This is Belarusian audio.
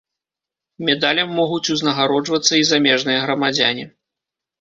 Медалем могуць узнагароджвацца і замежныя грамадзяне.